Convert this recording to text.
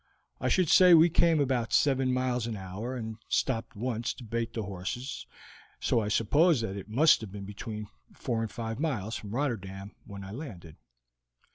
I should say we came about seven miles an hour and stopped once to bait the horses, so I suppose that it must have been between four and five miles from Rotterdam when I landed."